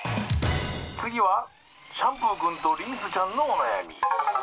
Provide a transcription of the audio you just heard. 「つぎはシャンプーくんとリンスちゃんのおなやみ」。